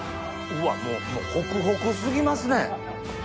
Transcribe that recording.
うわもうホクホク過ぎますね。